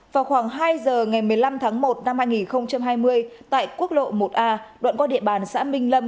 vào khoảng hai giờ ngày một mươi năm tháng một năm hai nghìn hai mươi tại quốc lộ một a đoạn qua địa bàn xã minh lâm